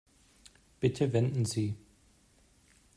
Bitte wenden Sie.